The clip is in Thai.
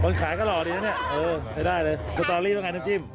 มันขายก็หล่อดีนะน่ะเออไม่ได้เลยตลอดหลีก็ไงน้ำจิ้ม